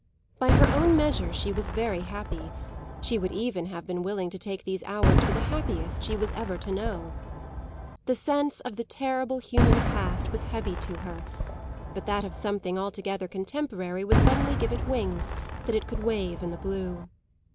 By her own measure she was very happy; she would even have been willing to take these hours for the happiest she was ever to know. The sense of the terrible human past was heavy to her, but that of something altogether contemporary would suddenly give it wings that it could wave in the blue.